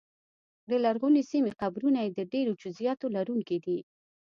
د لرغونې سیمې قبرونه یې د ډېرو جزییاتو لرونکي دي